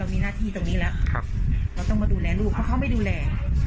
มีหน้าที่ตรงนี้แล้วเราต้องมาดูแลลูกเพราะเขาไม่ดูแล